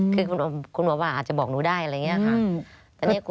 คือคุณหมอว่าอาจจะบอกหนูได้อะไรอย่างนี้ค่ะ